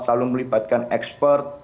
selalu melibatkan ekspert